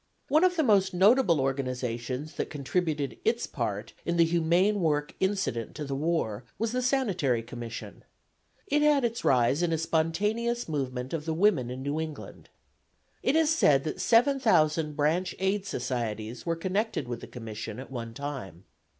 One of the most notable organizations that contributed its part in the humane work incident to the war was the Sanitary Commission. It had its rise in a spontaneous movement of the women in New England. It is said that 7000 branch Aid Societies were connected with the Commission at one time.